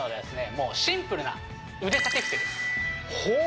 もうシンプルな腕立て伏せですほう！